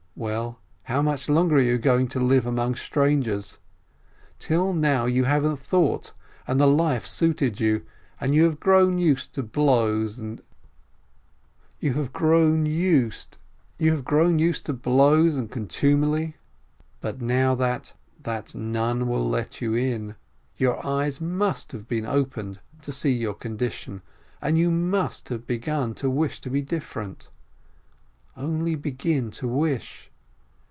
Well, how much longer are you going to live among strangers? Till now you haven't thought, and the life suited you, you have grown used to blows and contumely. But now that — that — none will let you in, your eyes must have been opened to see your condition, and you must have begun to wish to be different. Only begin to wish